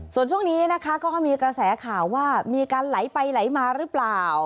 ส่วนช่วงนี้นะคะก็มีกระแสข่าวว่ามีการไหลไปไหลมาหรือเปล่า